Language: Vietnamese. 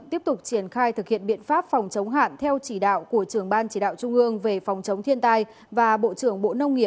tiếp tục triển khai thực hiện biện pháp phòng chống hạn theo chỉ đạo của trường ban chỉ đạo trung ương